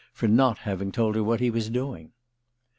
for not having told her what he was doing.